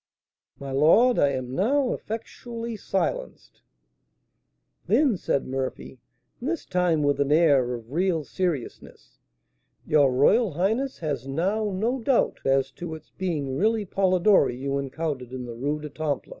"My lord, I am now effectually silenced." "Then," said Murphy (and this time with an air of real seriousness), "your royal highness has now no doubt as to its being really Polidori you encountered in the Rue du Temple?"